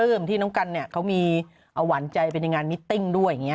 เริ่มที่น้องกันเนี่ยเขามีหวานใจไปในงานมิตติ้งด้วยอย่างนี้